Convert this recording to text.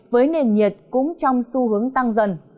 với nền nhiệt cũng trong xu hướng tăng dần